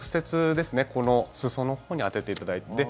この、裾のほうに当てていただいて。